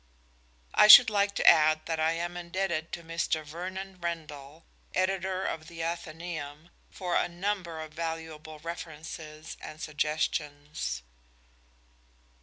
I should like to add that I am indebted to Mr. Vernon Rendall, editor of The Athenæum, for a number of valuable references and suggestions.